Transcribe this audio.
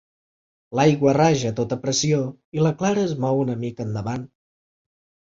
L'aigua raja a tota pressió i la Clara es mou una mica endavant.